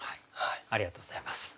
ありがとうございます。